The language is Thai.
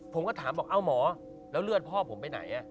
ผมก็ถามบอกเอ้าหมอแล้วเลือดพ่อผมไปไหน